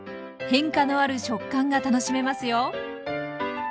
変化のある食感が楽しめますよ。